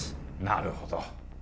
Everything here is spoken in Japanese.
なるほど。